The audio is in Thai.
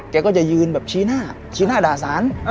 แกก็จะยืนแบบชี้หน้าชี้หน้าด่าสาร